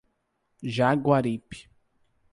Jaguaripe